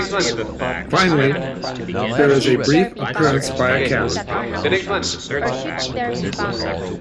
Finally, there is a brief appearance by a cat.